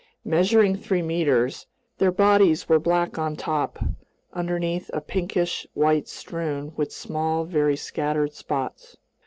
Measuring three meters, their bodies were black on top, underneath a pinkish white strewn with small, very scattered spots.